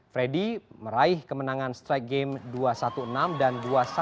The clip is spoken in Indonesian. freddy meraih kemenangan strike game dua satu enam dan dua satu dua belas